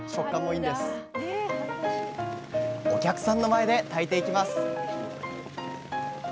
お客さんの前で炊いていきます